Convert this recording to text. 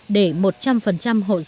để một trăm linh hội dụng